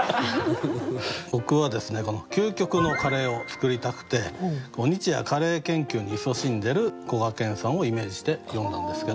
僕はこの究極のカレーを作りたくて日夜カレー研究にいそしんでるこがけんさんをイメージして詠んだんですけ